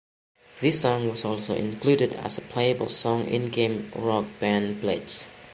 This song was also included as a playable song in game Rock Band Blitz.